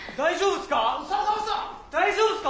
大丈夫すか？